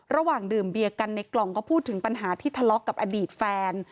ระหว่างดื่มเบียกันในกล่องก็พูดถึงปัญหาที่ทะเลาะกับอดีตแฟน